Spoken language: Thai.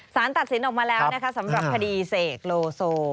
สารตัดสินออกมาแล้วนะคะสำหรับคดีเสกโลโซ